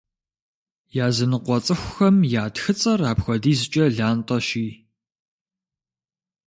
Языныкъуэ цӏыхухэм я тхыцӏэр апхуэдизкӏэ лантӏэщи.